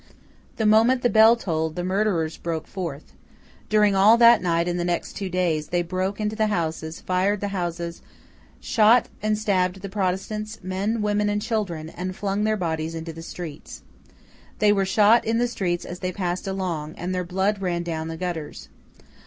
The moment the bell tolled, the murderers broke forth. During all that night and the two next days, they broke into the houses, fired the houses, shot and stabbed the Protestants, men, women, and children, and flung their bodies into the streets. They were shot at in the streets as they passed along, and their blood ran down the gutters.